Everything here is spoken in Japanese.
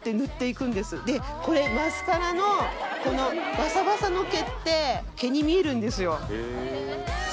マスカラのバサバサの毛って毛に見えるんですよ。